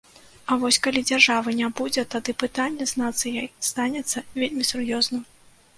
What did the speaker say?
А вось калі дзяржавы не будзе, тады пытанне з нацыяй станецца вельмі сур'ёзным.